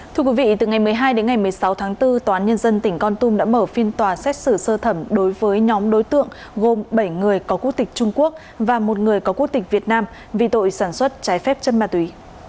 thưa quý vị từ ngày một mươi hai đến ngày một mươi sáu tháng bốn tòa án nhân dân tỉnh con tum đã mở phiên tòa xét xử sơ thẩm đối với nhóm đối tượng gồm bảy người có quốc tịch trung quốc và một người có quốc tịch việt nam vì tội sản xuất trái phép chân ma túy